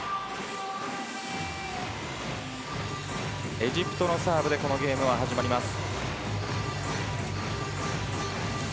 エジプトのサーブでこのゲームは始まります。